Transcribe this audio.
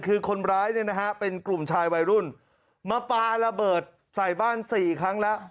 คือคนร้ายเนี่ยนะฮะเป็นกลุ่มชายวัยรุ่นมาปลาระเบิดใส่บ้านสี่ครั้งแล้ว